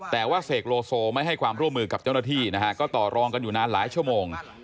แต่ว่าเสกโลโซไม่ให้ความร่วมมือกับเจ้าหน้าที่นะฮะก็ต่อรองกันอยู่นานหลายชั่วโมง